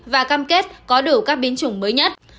và cam kết có đủ các biến chủng mới nhất